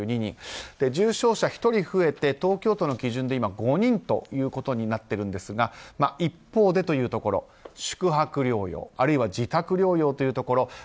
重症者は１人増えて東京都の基準で５人となっているんですが一方でというところ、宿泊療養あるいは自宅療養というところ。